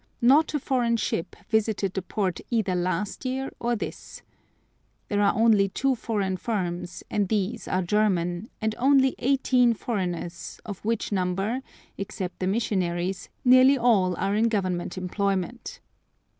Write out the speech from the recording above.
Not a foreign ship visited the port either last year or this. There are only two foreign firms, and these are German, and only eighteen foreigners, of which number, except the missionaries, nearly all are in Government employment.